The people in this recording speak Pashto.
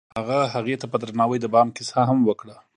هغه هغې ته په درناوي د بام کیسه هم وکړه.